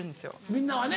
みんなはね。